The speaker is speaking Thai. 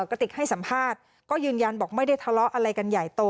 กระติกให้สัมภาษณ์ก็ยืนยันบอกไม่ได้ทะเลาะอะไรกันใหญ่โต